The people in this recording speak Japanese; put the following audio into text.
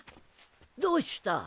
どうした？